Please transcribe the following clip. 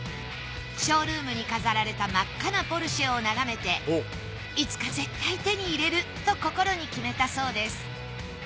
ショールームに飾られた真っ赤なポルシェを眺めていつか絶対手に入れると心に決めたそうです。